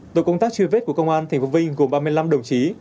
tổ công tác truy vết của công an thành phố vinh gồm ba mươi năm đồng chí